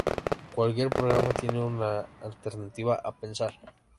Cuaquier programa tiene un alternativa a pensar